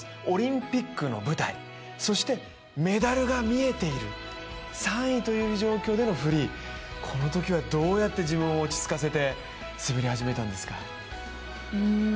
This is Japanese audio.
オリンピックの舞台、そしてメダルが見えている３位という状況でのフリー、このときはどうやって自分を落ち着かせて滑り始めたんですか？